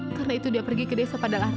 karena itu dia pergi ke desa pada larang